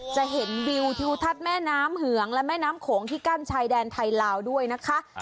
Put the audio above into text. จะเห็นวิวทิวทัศน์แม่น้ำเหืองและแม่น้ำโขงที่กั้นชายแดนไทยลาวด้วยนะคะ